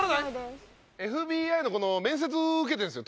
ＦＢＩの面接を受けてるんですよ